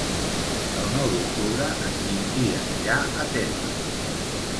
El nou d'octubre en Quintí anirà a Térmens.